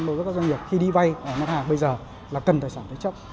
đối với các doanh nghiệp khi đi vay ngân hàng bây giờ là cần tài sản thế chấp